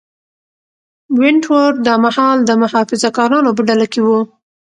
ونټ ورت دا مهال د محافظه کارانو په ډله کې و.